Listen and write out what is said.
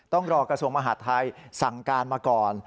ต้องรอกระทรวงมหาดไทยสั่งการมาก่อน